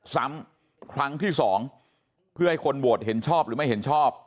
ซ้ำครั้งที่สองเพื่อให้คนโหวตเห็นชอบหรือไม่เห็นชอบ